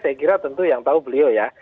saya kira tentu yang tahu beliau ya